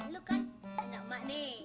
lu kan anak mak nih